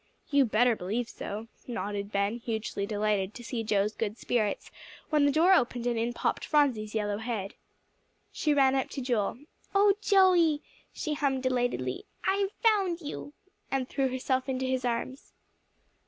"You better believe so," nodded Ben, hugely delighted to see Joe's good spirits, when the door opened, and in popped Phronsie's yellow head. She ran up to Joel. "Oh Joey!" she hummed delightedly, "I've found you," and threw herself into his arms.